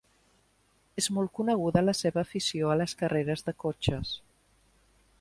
És molt coneguda la seva afició a les carreres de cotxes.